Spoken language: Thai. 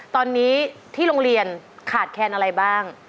ตอนนี้ที่โรงเรียนขาดแคลนอะไรบ้าง